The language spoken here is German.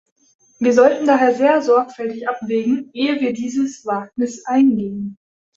Wir sollten daher sehr sorgfältig abwägen, ehe wir dieses Wagnis eingehen.